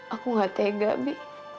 aku gak tega bi